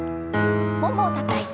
ももをたたいて。